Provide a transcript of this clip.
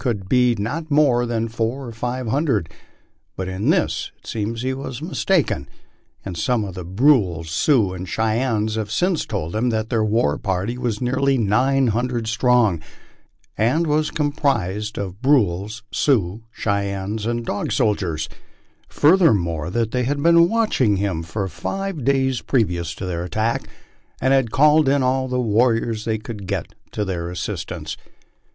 d not be more than four or five hundred, but in this it seems he was mistaken, as some of the Brules, Sioux, and Cheyennes have since told him that their war party was nearly nine hundred strong, and was composed of Brules, Sioux, Cheyennes, and Dog Soldiers; furthermore, that they had been watching him for five days previous to their attack, and had called in all the warriors they could get to their assistance.